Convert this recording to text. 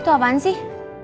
itu apaan sih